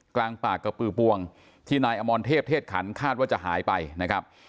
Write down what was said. กลางปากกระปือปวงที่นายอมรเทพเทศขันคาดว่าจะหายไปนะครับ